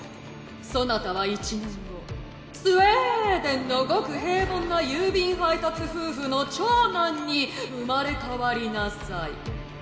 そなたは１年後スウェーデンのごく平凡な郵便配達夫婦の長男に生まれ変わりなさい。